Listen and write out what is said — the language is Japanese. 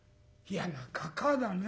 「嫌なかかあだね